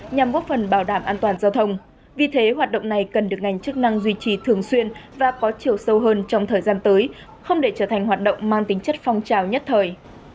nhằm góp phần bảo đảm an toàn giao thông vì thế hoạt động này cần được ngành chức năng duy trì thường xuyên và có chiều sâu hơn trong thời gian tới không để trở thành hoạt động mang tính chất phong trào nhất thời